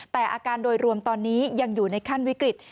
แต่อาการโดยรวมตอนนี้ยังอยู่ในขั้นวิกฤต